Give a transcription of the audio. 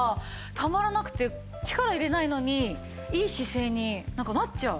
力入れないのにいい姿勢になんかなっちゃう。